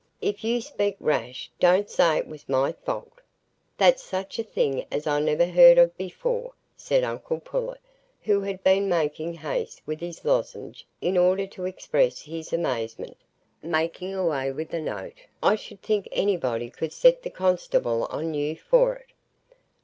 If you speak rash, don't say it was my fault." "That's such a thing as I never heared of before," said uncle Pullet, who had been making haste with his lozenge in order to express his amazement,—"making away with a note! I should think anybody could set the constable on you for it."